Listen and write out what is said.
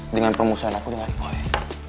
pengurusan aku tuh gak boleh